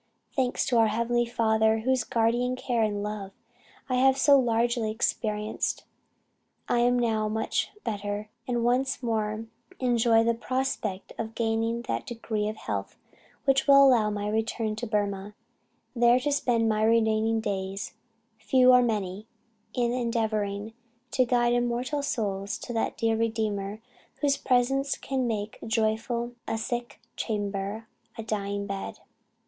Thanks to our Heavenly Father whose guardian care and love I have so largely experienced. I am now much better, and once more enjoy the prospect of gaining that degree of health which will allow my return to Burmah, there to spend my remaining days, few or many, in endeavouring to guide immortal souls to that dear Redeemer, whose presence can make joyful a sick chamber, a dying bed.